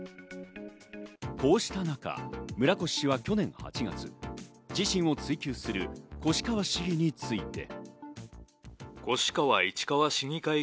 こうした中、村越氏は去年８月、自身を追及する越川市議について。